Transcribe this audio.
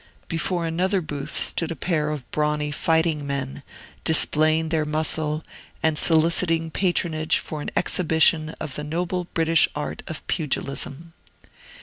Before another booth stood a pair of brawny fighting men, displaying their muscle, and soliciting patronage for an exhibition of the noble British art of pugilism.